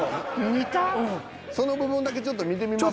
その部分だけちょっと見てみますか。